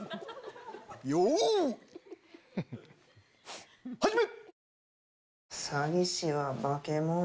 よい始め！